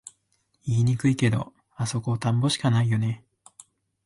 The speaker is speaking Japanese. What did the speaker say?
言いにくいけど、あそこ田んぼしかないよね